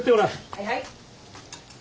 はいはい。